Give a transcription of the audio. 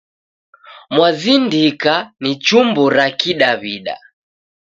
Mwazindika ni chumbo ra kidawida